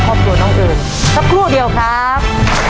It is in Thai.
ครอบครัวน้องเอิญสักครู่เดียวครับ